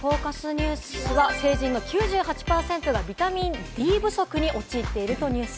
ニュースは成人の９８％がビタミンＤ不足に陥っているというニュース。